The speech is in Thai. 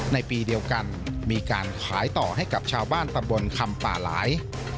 ในปีเดียวกันมีการขายต่อให้กับชาวบ้านตำบลคำป่าหลาย